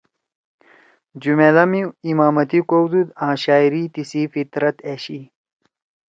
جُمأدا می امامتی کؤدُود آں شاعری تیِسی فطرت أشی۔